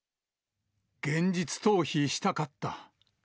現実逃避したかった。